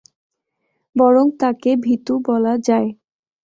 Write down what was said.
বরং তাকে ভীরু বলা যায়।